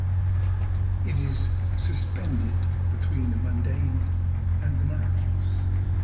It is "suspended between the mundane and the miraculous".